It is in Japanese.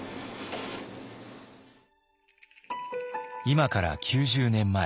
今から９０年前。